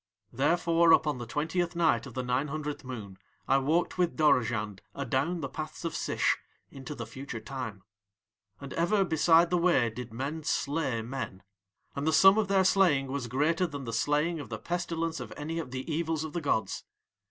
"Therefore upon the twentieth night of the nine hundredth moon I walked with Dorozhand adown the paths of Sish into the future time. "And ever beside the way did men slay men. And the sum of their slaying was greater than the slaying of the pestilence of any of the evils of the gods.